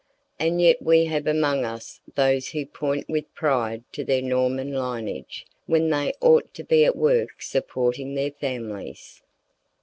And yet we have among us those who point with pride to their Norman lineage when they ought to be at work supporting their families.